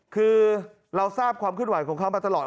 คือเราทราบความเคลื่อนไหวของเขามาตลอด